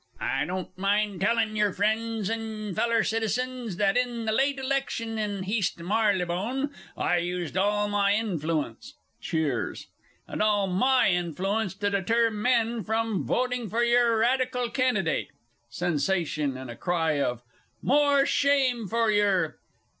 I don't mind tellin' yer, friends and feller citizens, that in the late election in Heast Marylebone, I used all my influence (cheers) all my influence to deter men from voting for your Radical candidate. (_Sensation, and a cry of "More shame for yer!"